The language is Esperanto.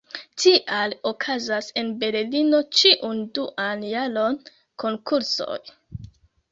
Tial okazas en Berlino ĉiun duan jaron konkursoj.